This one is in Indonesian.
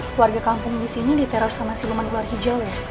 keluarga kampung disini diteror sama siluman luar hijau ya